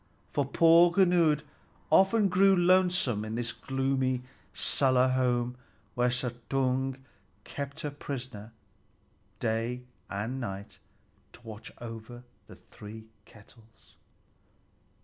For poor Gunnlöd often grew lonesome in this gloomy cellar home, where Suttung kept her prisoner day and night to watch over the three kettles.